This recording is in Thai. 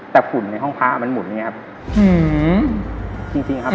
แต่ฝุ่นในห้องพ้ามันหมุนอย่างนี้ครับ